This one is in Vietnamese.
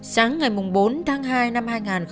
sáng ngày bốn tháng hai năm hai nghìn một mươi năm